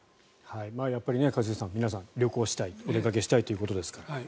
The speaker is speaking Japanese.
やっぱり一茂さん皆さん旅行したいお出かけしたいということですから。